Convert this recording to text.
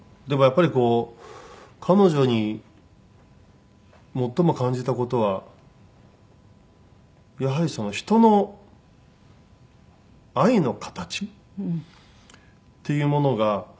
でもやっぱりこう彼女に最も感じた事はやはりその人の愛の形っていうものが。